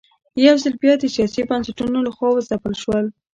یوځل بیا د سیاسي بنسټونو له خوا وځپل شول.